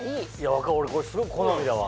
俺これすごく好みだわ。